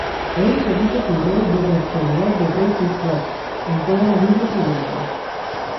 Él repite su rol de perseguidor de Crazy Frog en todos los videos siguientes.